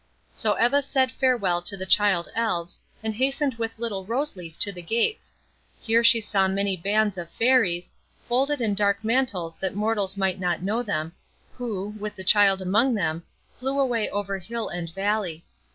So Eva said farewell to the child Elves, and hastened with little Rose Leaf to the gates. Here she saw many bands of Fairies, folded in dark mantles that mortals might not know them, who, with the child among them, flew away over hill and valley.